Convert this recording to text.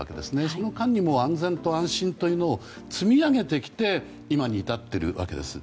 その間にも安全と安心というのを積み上げてきて今に至っているわけです。